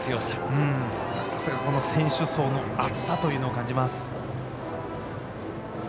さすが選手層の厚さというのを感じます。